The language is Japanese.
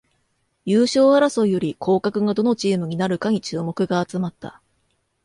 優勝争いより降格がどのチームになるかに注目が集まった